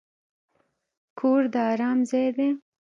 کور د ارام ځای دی.